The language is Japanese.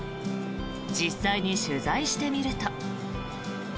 実際に取材してみると。